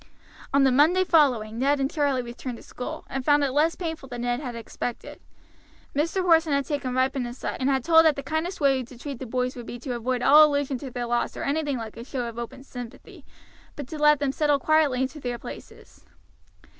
On the Monday following Ned and Charlie returned to school, and found it less painful than Ned had expected. Mr. Porson had taken Ripon aside and had told that the kindest way to treat the boys would be to avoid all allusion to their loss or anything like a show of open sympathy, but to let them settle quietly into their places.